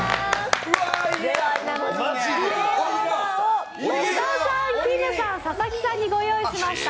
カレーそばを小田さん、きむさん、佐々木さんにご用意しました。